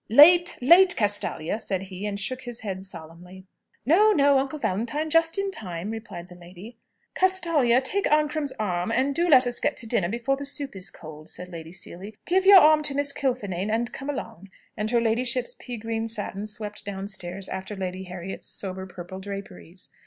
"Late, late, Castalia!" said he, and shook his head solemnly. "Oh no, Uncle Valentine; just in time," replied the lady. "Castalia, take Ancram's arm, and do let us get to dinner before the soup is cold," said Lady Seely. "Give your arm to Miss Kilfinane, and come along." And her ladyship's pea green satin swept downstairs after Lady Harriet's sober purple draperies.